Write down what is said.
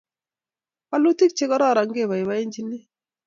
walutik chekororon ke boiboienchini